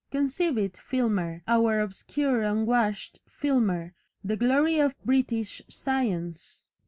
Conceive it! Filmer! Our obscure unwashed Filmer, the Glory of British science!